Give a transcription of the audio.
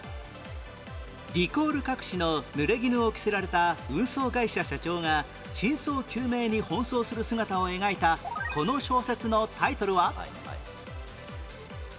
リコール隠しの濡れ衣を着せられた運送会社社長が真相究明に奔走する姿を描いたこの小説のタイトルは？